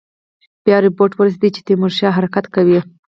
بیا رپوټ ورسېد چې تیمورشاه حرکت کوي.